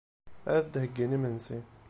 Ad d-heyyin imensi.